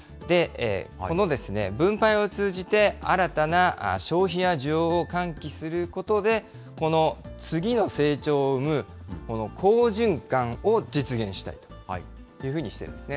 この分配を通じて、新たな消費や需要を喚起することで、この次の成長を生む、この好循環を実現したいというふうにしているんですね。